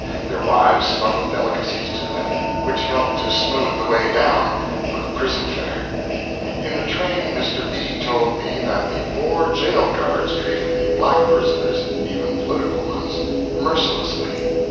Their wives smuggled delicacies to them, which helped to smooth the way down for the prison fare. In the train Mr. B. told me that the Boer jail guards treated the black prisoners even political ones mercilessly.